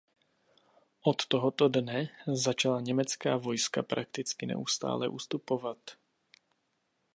Od tohoto dne začala německá vojska prakticky neustále ustupovat.